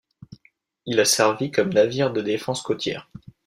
Il a servi comme navire de défense côtière.